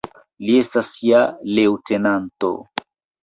Li estas ja leŭtenanto.